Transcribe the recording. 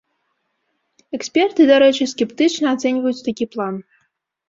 Эксперты, дарэчы, скептычна ацэньваюць такі план.